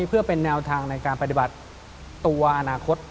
เพื่อเป็นแนวทางในการปฏิบัติตัวอนาคต